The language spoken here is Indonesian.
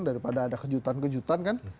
daripada ada kejutan kejutan kan